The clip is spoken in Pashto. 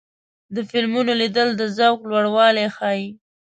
د فلمونو لیدل د ذوق لوړوالی ښيي.